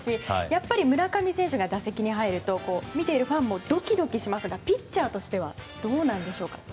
やっぱり村上選手が打席に入ると見ているファンもドキドキしますがピッチャーとしてはどうなんでしょうか？